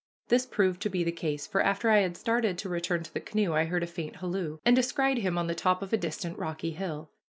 This proved to be the case, for after I had started to return to the canoe I heard a faint halloo, and descried him on the top of a distant rocky hill.